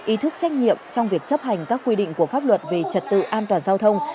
ý thức trách nhiệm trong việc chấp hành các quy định của pháp luật về trật tự an toàn giao thông